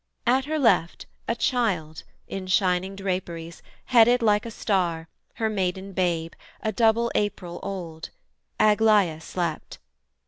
At her left, a child, In shining draperies, headed like a star, Her maiden babe, a double April old, Aglaïa slept.